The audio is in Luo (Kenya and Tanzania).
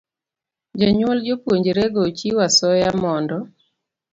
Jonyuol jopuonjrego chiwo asoya mondo